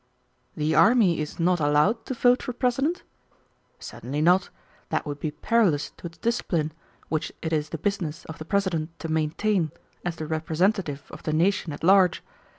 "The army is not allowed to vote for President?" "Certainly not. That would be perilous to its discipline, which it is the business of the President to maintain as the representative of the nation at large.